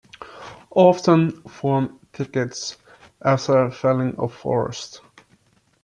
Often form thickets after felling of forest.